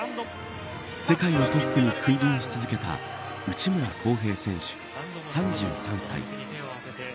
世界のトップに君臨し続けた内村航平選手、３３歳。